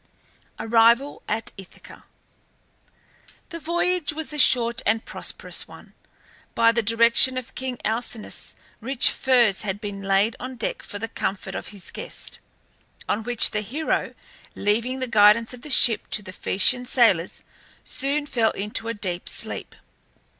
ARRIVAL AT ITHACA. The voyage was a short and prosperous one. By the direction of king Alcinous rich furs had been laid on deck for the comfort of his guest, on which the hero, leaving the guidance of the ship to the Phaeacian sailors, soon fell into a deep sleep.